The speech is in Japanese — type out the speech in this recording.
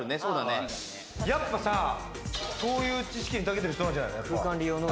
やっぱさ、そういう知識に長けてる人なんじゃないの？